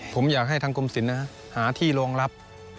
ผมอยากให้ทางกรมศิลป์หาที่รองรับ